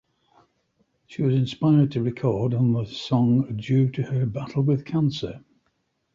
She was inspired to record on the song due to her battle with cancer.